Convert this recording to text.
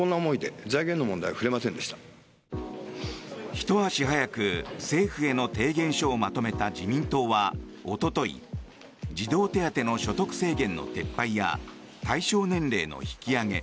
ひと足早く政府への提言書をまとめた自民党はおととい児童手当の所得制限の撤廃や対象年齢の引き上げ